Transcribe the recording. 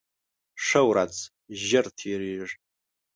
ښه ورځ ژر تېرېږي